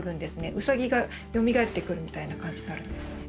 ウサギがよみがえってくるみたいな感じになるんですね。